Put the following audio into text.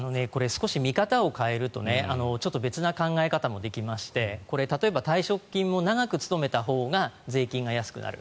少し見方を変えるとちょっと別な考え方もできまして例えば退職金も長く勤めたほうが税金が安くなる。